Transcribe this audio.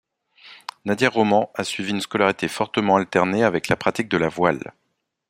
Nadia Roman a suivi une scolarité fortement alternée avec la pratique de la voile.